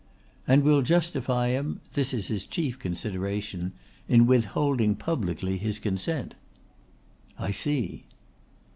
"And will justify him this is his chief consideration in withholding publicly his consent." "I see."